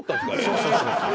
そうそうそうそう。